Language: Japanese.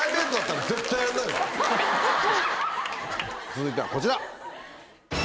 続いてはこちら！